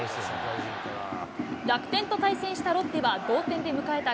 楽天と対戦したロッテは同点で迎えた